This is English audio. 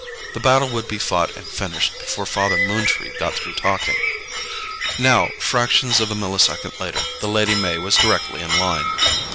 The battle would be fought and finished before Father Moontree got through talking. Now, fractions of a millisecond later, the Lady May was directly in line.